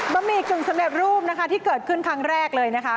หมี่กึ่งสำเร็จรูปนะคะที่เกิดขึ้นครั้งแรกเลยนะคะ